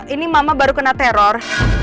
ini mama baru kena teror